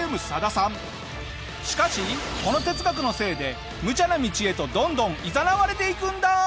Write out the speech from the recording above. しかしこの哲学のせいでむちゃな道へとどんどんいざなわれていくんだ！